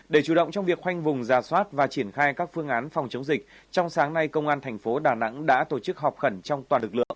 để chủ động trong việc khoanh vùng giả soát và triển khai các phương án phòng chống dịch trong sáng nay công an thành phố đà nẵng đã tổ chức họp khẩn trong toàn lực lượng